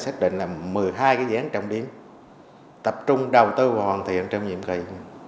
cụ thể là trong nhiệm kỳ này tỉnh đã xác định là một mươi hai dự án trọng điểm tập trung đầu tư hoàn thiện trong nhiệm kỳ hai nghìn hai mươi năm